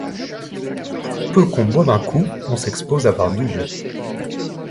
Pour peu qu'on boive un coup, on s'expose à voir double.